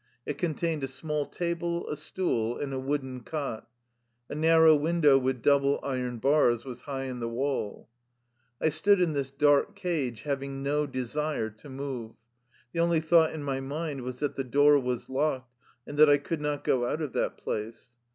It contained a small table, a stool, and a wooden cot. A nar row window, with double iron bars, was high in the wall. I stood in this dark cage, having no desire to move. The only thought in my mind was that the door was locked, and that I could not go out of that place.